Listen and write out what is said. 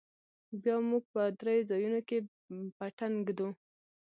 بيا موږ په درېو ځايونو کښې پټن ږدو.